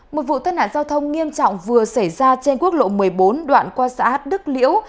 một vụ tai nạn giao thông nghiêm trọng vừa xảy ra trên quốc lộ một mươi bốn đoạn qua xã đức liễu